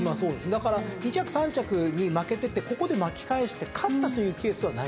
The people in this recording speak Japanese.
だから２着３着に負けててここで巻き返して勝ったというケースはないんですよ。